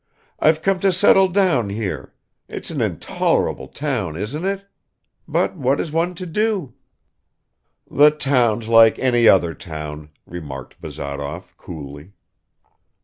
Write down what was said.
I've come to settle down here; it's an intolerable town, isn't it? But what is one to do?" "The town's like any other town," remarked Bazarov coolly.